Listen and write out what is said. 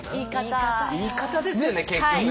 言い方ですよね結局ね。